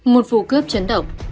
một phù cướp chấn động